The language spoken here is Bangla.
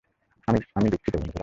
আমি, আমি দুঃখিত, বন্ধুরা।